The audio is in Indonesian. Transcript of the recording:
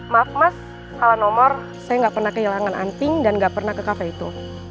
maaf mas ala nomor saya gak pernah kehilangan anting dan gak pernah ke kafe itu